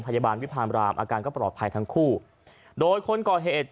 พยาบาลวิพามรามอาการก็ปลอดภัยทั้งคู่โดยคนก่อเหตุ